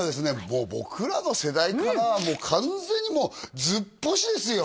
もう僕らの世代から完全にもうずっぽしですよ